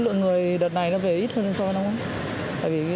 lượng người đợt này về ít hơn so với năm nay